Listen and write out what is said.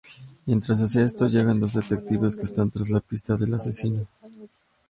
Mientras hacía esto, llegan dos detectives que están tras la pista del asesino.